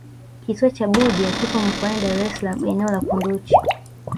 kisiwa cha budya kipo mkoani dar es salaam eneo la kunduchi